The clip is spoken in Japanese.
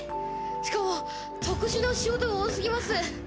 しかも特殊な仕事が多すぎます。